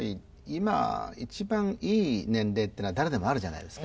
今一番いい年齢っていうのは誰でもあるじゃないですか。